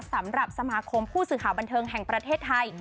สำหรับสมาคมผู้สื่อข่าวบันเทิงแห่งประเทศไทย